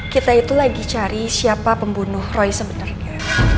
kita itu lagi cari siapa pembunuh roy sebenarnya